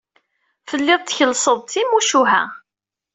Telliḍ tkellseḍ-d timucuha.